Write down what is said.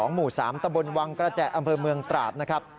หมู่๓ตะบนวังกระแจอำเภอเมืองตราดนะครับ